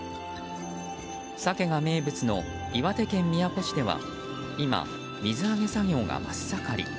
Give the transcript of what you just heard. サケが名物の岩手県宮古市では今、水揚げ作業が真っ盛り。